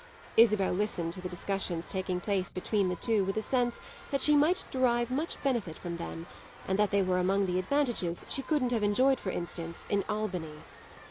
Isabel listened to the discussions taking place between the two with a sense that she might derive much benefit from them and that they were among the advantages she couldn't have enjoyed for instance in Albany.